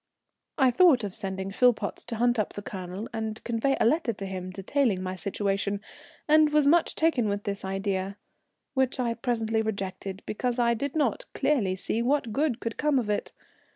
I thought of sending Philpotts to hunt up the Colonel and convey a letter to him detailing my situation, and was much taken with this idea, which I presently rejected because I did not clearly see what good could come of it.